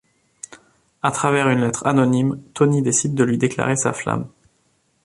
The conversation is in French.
À travers une lettre anonyme, Toni décide de lui déclarer sa flamme.